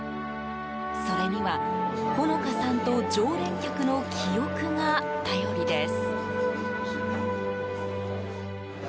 それには、穂乃花さんと常連客の記憶が頼りです。